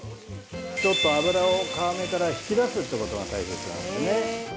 ちょっと脂を皮目から引き出すってことが大切なんですね。